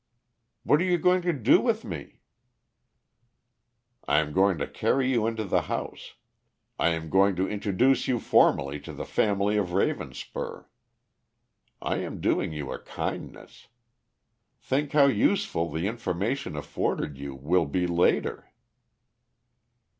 "What are you going to do with me?" "I am going to carry you into the house; I am going to introduce you formally to the family of Ravenspur. I am doing you a kindness. Think how useful the information afforded you will be later!"